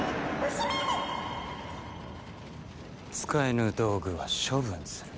使えぬ道具は処分する。